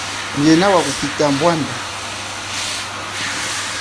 Nyi yena wakupita mbwanda?